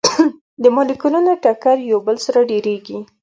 د مالیکولونو ټکر یو بل سره ډیریږي.